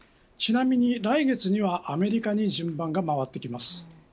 ちなみに来月にはアメリカに順番が回ってきます。